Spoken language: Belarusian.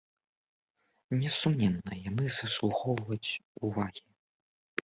Несумненна, яны заслугоўваюць увагі.